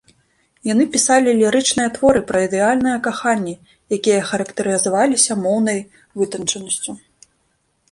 Яны пісалі лірычныя творы пра ідэальнае каханне, якія характарызаваліся моўнай вытанчанасцю.